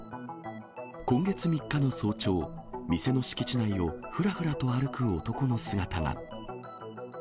今月３日の早朝、店の敷地内をふらふらと歩く男の姿が。